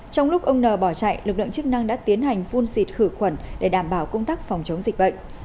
trong lúc ông n bỏ chạy lực lượng chức năng đã tiến hành phun xịt khử khuẩn để đảm bảo công tác phòng chống dịch bệnh